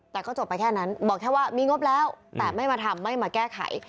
แต่ก็จบไปแค่นั้นบอกแค่ว่ามีงบแล้วแต่ไม่มาทำไม่มาแก้ไข